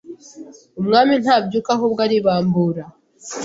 Umwami Ntabyuka ahubwo Aribambura